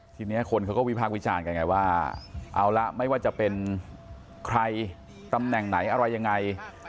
ทีนี้คนเขาก็วิพากษ์วิจารณ์กันไงว่าเอาละไม่ว่าจะเป็นใครตำแหน่งไหนอะไรยังไง